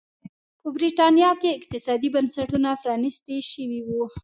په برېټانیا کې اقتصادي بنسټونه پرانيستي شوي وو.